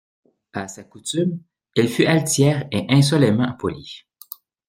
A sa coutume, elle fut altière et insolemment polie.